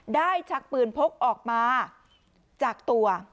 ชักปืนพกออกมาจากตัว